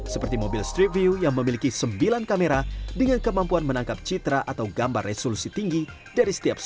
seperti mobil street view yang memiliki sembilan kamera dengan kemampuan menangkap citra atau gambar resolusi tinggi dari setiap